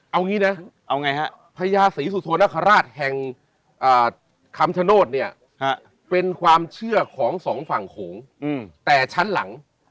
เอางี้นะเอาไงฮะพญาศรีสุโธนคราชแห่งคำชโนธเนี่ยเป็นความเชื่อของสองฝั่งโขงแต่ชั้นหลัง